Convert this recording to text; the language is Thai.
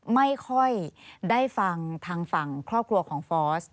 ไม่ค่อยได้ฟังทางฝั่งครอบครัวของฟอส